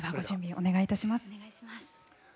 お願いします。